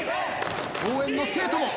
応援の生徒も笑